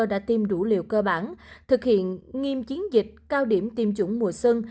đã tiêm đủ liều cơ bản thực hiện nghiêm chiến dịch cao điểm tiêm chủng mùa xuân